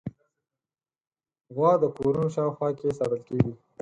غوا د کورونو شاوخوا کې ساتل کېږي.